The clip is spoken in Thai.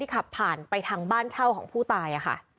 ขับผ่านไปทางบ้านเช่าของผู้ตายค่ะ